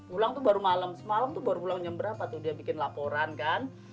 pulang itu baru malam semalam itu baru pulangnya berapa tuh dia bikin laporan kan